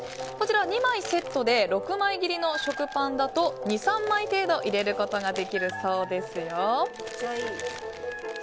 こちらは２枚セットで６枚切りの食パンだと２３枚程度入れることができるそうですよ。